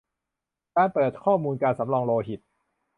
การเปิดข้อมูลการสำรองโลหิต